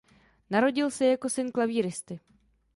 Narodil se jako syn klavíristy.